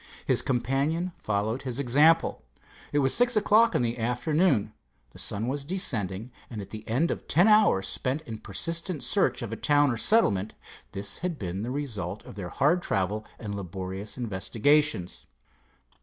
His companion followed his example. It was six o'clock in the afternoon, the sun was descending, and at the end of ten hours spent in persistent search of a town or settlement, this had been the result of their hard travel and laborious investigations.